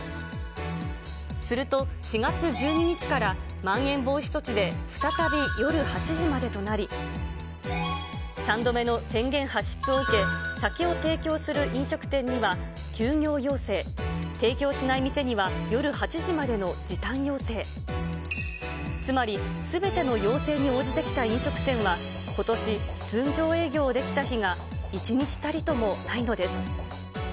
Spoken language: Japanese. すると４月１２日からまん延防止措置で再び夜８時までとなり、３度目の宣言発出を受け、酒を提供する飲食店には休業要請、提供しない店には夜８時までの時短要請、つまり、すべての要請に応じてきた飲食店は、ことし、通常営業できた日が一日たりともないのです。